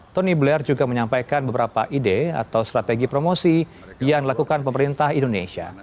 tony blair juga menyampaikan beberapa ide atau strategi promosi yang dilakukan pemerintah indonesia